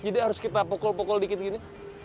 jadi harus kita pokul pokul dikit gini